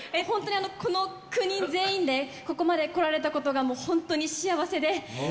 本当にこの９人全員で、ここまでこられたことが、もう本当に幸せで。